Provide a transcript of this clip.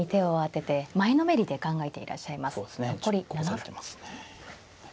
熟考されてますね。